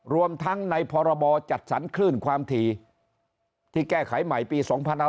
รวมทั้งในพรบจัดสรรคลื่นความถี่ที่แก้ไขใหม่ปี๒๕๖๒